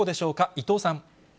伊藤さん。